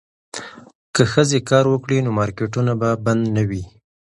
که ښځې کار وکړي نو مارکیټونه به بند نه وي.